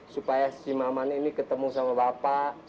supaya si maman ini ketemu sama bapak